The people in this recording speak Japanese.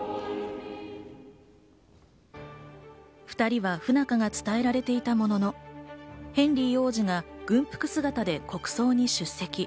２人は不仲が伝えられていたものの、ヘンリー王子が軍服姿で国葬に出席。